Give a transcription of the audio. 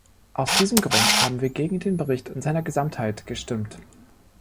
Aus diesem Grund haben wir gegen den Bericht in seiner Gesamtheit gestimmt.